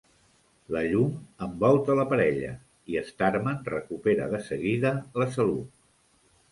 La llum envolta la parella, i Starman recupera de seguida la salut.